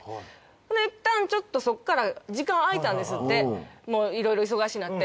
ほんでいったんちょっとそっから時間あいたんですっていろいろ忙しなって。